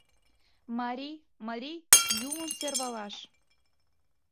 Мари, мари, Юмым сӧрвалаш